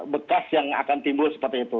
bekas yang akan timbul seperti itu